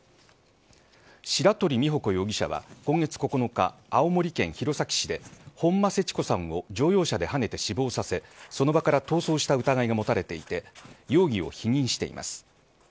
白取美穂子容疑者は今月９日、青森県弘前市で本間セチコさんを乗用車で跳ねて死亡させその場から逃走した疑いが持たれていて容疑を否認しています。